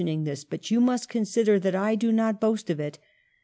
17 ing this, but you must consider that I do not boast of it.